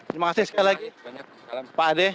terima kasih sekali lagi pak ade